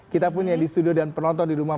kita pun yang di studio dan penonton di rumah